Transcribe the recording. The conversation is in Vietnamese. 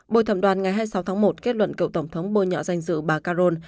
bồi thẩm đoàn ngày hai mươi sáu tháng một kết luận cựu tổng thống bôi nhọ danh dự bà caron